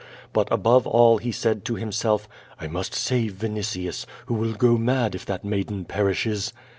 But above all he said to himself, "I must save Vinitius, who will go mad if that maiden perishes."